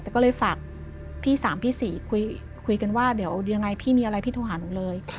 แต่ก็เลยฝากพี่๓พี่๔คุยกันว่าเดี๋ยวยังไงพี่มีอะไรพี่โทรหาหนูเลย